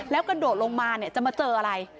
แล้วกระโดดลงมาเนี่ยจะมาเจออะไร